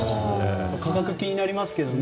価格が気になりますけど。